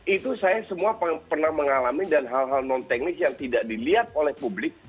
itu saya semua pernah mengalami dan hal hal non teknis yang tidak dilihat oleh publik